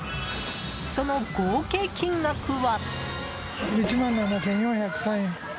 その合計金額は。